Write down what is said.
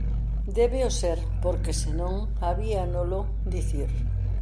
Débeo ser, porque se non habíanolo dicir.